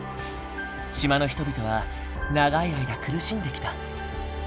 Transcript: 島の人々は長い間苦しんできた。